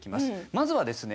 まずはですね